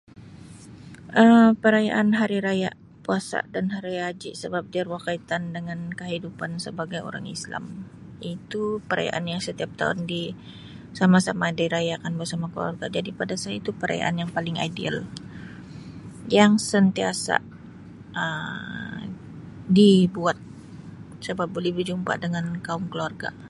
Um Perayaan hari raya puasa dan hari raya haji sebab dia berkaitan dengan kehidupan sebagai orang islam iaitu perayaan yang setiap tahun di sama-sama dirayakan bersama keluarga jadi pada saya itu perayaan yang paling ideal yang sentiasa Um dibuat sebab boleh berjumpa dengan kaum keluarga.